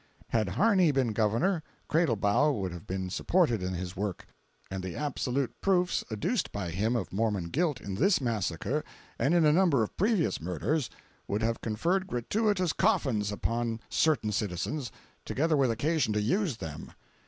Had Harney been Governor, Cradlebaugh would have been supported in his work, and the absolute proofs adduced by him of Mormon guilt in this massacre and in a number of previous murders, would have conferred gratuitous coffins upon certain citizens, together with occasion to use them.